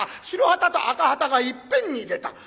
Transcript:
白旗と赤旗がいっぺんに出た。